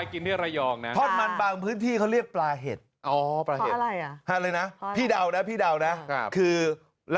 ก็มีเท่านี้แหละ